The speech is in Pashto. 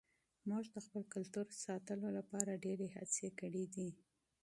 موږ د خپل کلتور ساتلو لپاره ډېرې هڅې کړې دي.